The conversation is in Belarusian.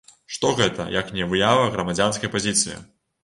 Што гэта, як не выява грамадзянскай пазіцыі?